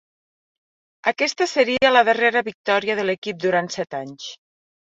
Aquesta seria la darrera victòria de l'equip durant set anys.